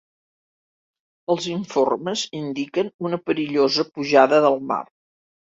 Els informes indiquen una perillosa pujada del mar.